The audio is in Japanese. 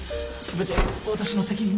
全て私の責任です。